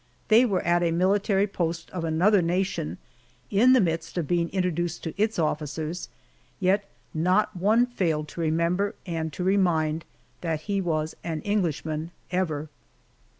They were at a military post of another nation, in the midst of being introduced to its officers, yet not one failed to remember and to remind, that he was an Englishman ever!